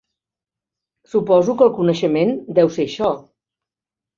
Suposo que el coneixement deu ser això.